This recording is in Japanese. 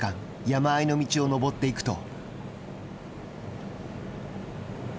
山あいの道を登っていくと。